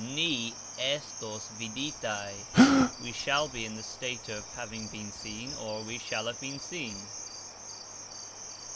Ni estos viditaj ............ We shall be (in the state of) having been seen, or, we shall have been seen.